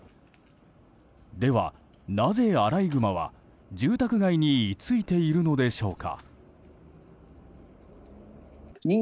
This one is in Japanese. ではなぜアライグマは住宅街に居ついているのでしょうか。